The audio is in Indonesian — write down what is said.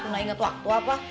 nggak inget waktu apa